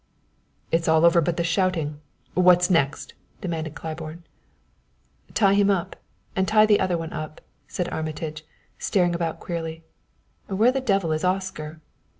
"It's all over but the shouting what's next?" demanded Claiborne. "Tie him up and tie the other one up," said Armitage, staring about queerly. "Where the devil is Oscar?"